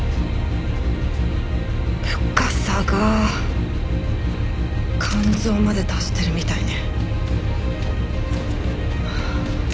深さが肝臓まで達してるみたいね。